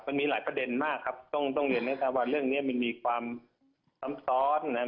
มันมีหลายประเด็นมากครับต้องต้องเรียนให้ทราบว่าเรื่องนี้มันมีความซ้ำซ้อนนะครับ